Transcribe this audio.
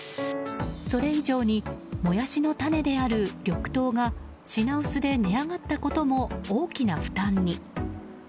それ以上にモヤシの種である緑豆が品薄で値上がったことも大きな負担に。